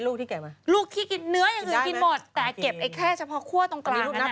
ลูกที่กินเนื้ออย่างอื่นกินหมดแต่เก็บไอ้แค่เฉพาะคั่วตรงกลางนั้นนะ